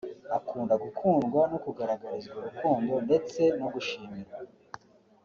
akunda gukundwa no kugaragarizwa urukundo ndetse no gushimirwa